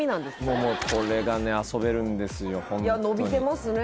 もうこれがね遊べるんですよいや伸びてますね